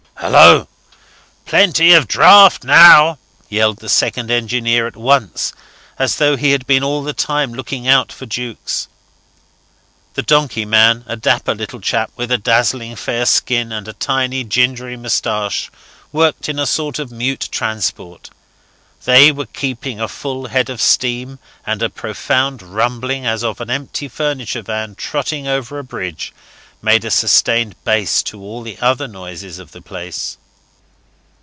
"Hallo! Plenty of draught now," yelled the second engineer at once, as though he had been all the time looking out for Jukes. The donkeyman, a dapper little chap with a dazzling fair skin and a tiny, gingery moustache, worked in a sort of mute transport. They were keeping a full head of steam, and a profound rumbling, as of an empty furniture van trotting over a bridge, made a sustained bass to all the other noises of the place.